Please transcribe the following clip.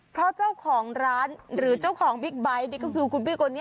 เพราะเจ้าของร้านหรือเจ้าของบิ๊กใบ๊ทก็คือคุณบิล